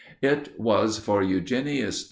It was for Eugenius III.